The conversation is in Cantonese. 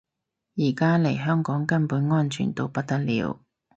而家嚟香港根本安全到不得了